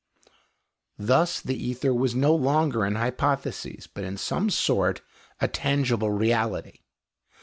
Thus the ether was no longer an hypothesis, but in some sort a tangible reality.